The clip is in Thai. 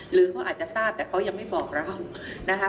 หรือเขาอาจจะทราบแต่เขายังไม่บอกเรานะคะ